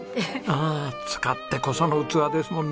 ああ使ってこその器ですもんね。